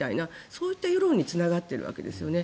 そういった世論につながっているわけですよね。